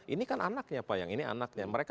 ini kan anaknya pak yang ini anaknya mereka